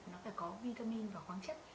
nó phải có vitamin và khoáng chất